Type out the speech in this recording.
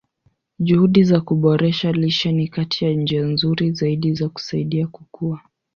Juhudi za kuboresha lishe ni kati ya njia nzuri zaidi za kusaidia kukua.